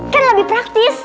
kan lebih praktis